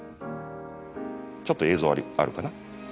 ちょっと映像あるかな。